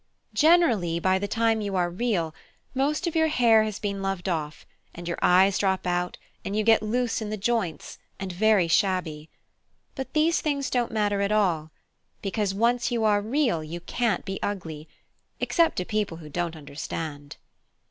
Generally, by the time you are Real, most of your hair has been loved off, and your eyes drop out and you get loose in the joints and very shabby. But these things don't matter at all, because once you are Real you can't be ugly, except to people who don't understand."